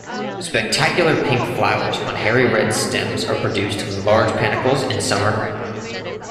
Spectacular pink flowers on hairy red stems are produced in large panicles in summer.